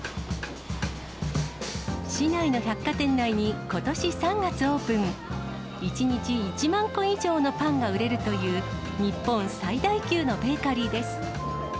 市内の百貨店内にことし３月オープン、１日１万個以上のパンが売れるという、日本最大級のベーカリーです。